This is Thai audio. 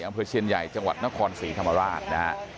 อำเภอเชียนใหญ่จังหวัดนครศรีธรรมราชนะฮะ